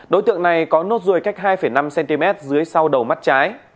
đối tượng này có nốt ruồi cách hai năm cm dưới sau đầu mắt trái